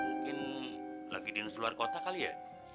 mungkin lagi di nes keluar kota kali ya